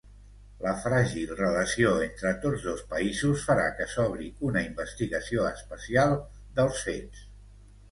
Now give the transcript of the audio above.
La fràgil relació entre tots dos països farà que s'obri una investigació especial dels fets.